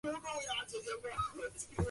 都是我不好，要不要我和她解释下？